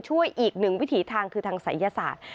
ช่วยอีกหนึ่งวิถีทางคือทางศัยศาสตร์